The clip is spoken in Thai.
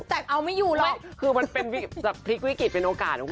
แต่เอาไม่อยู่หรอกคือมันเป็นพลิกวิกฤตเป็นโอกาสของคุณ